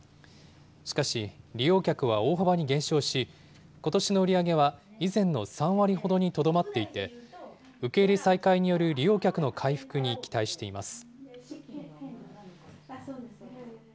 しかし、利用客は大幅に減少し、ことしの売り上げは以前の３割ほどにとどまっていて、受け入れ再開による利用客の回復に期待しています。